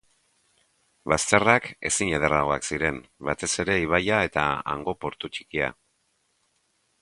Bazterrak ezin ederragoak ziren, batez ere ibaia eta hango portu ttikia.